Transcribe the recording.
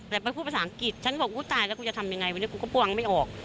แต่ไปพูดภาษาอังกฤษฉันบอกกูตายแล้วกูจะทำยังไงวันนี้กูก็ปวงไม่ออก